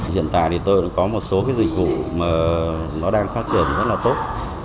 hiện tại thì tôi đã có một số cái dịch vụ mà nó đang phát triển rất là tốt